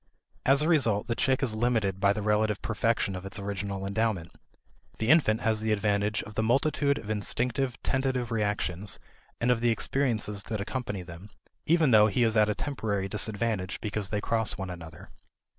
As a result, the chick is limited by the relative perfection of its original endowment. The infant has the advantage of the multitude of instinctive tentative reactions and of the experiences that accompany them, even though he is at a temporary disadvantage because they cross one another.